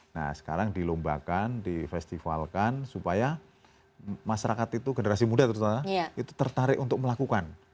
nah sekarang dilombakan di festivalkan supaya masyarakat itu generasi muda terutama itu tertarik untuk melakukan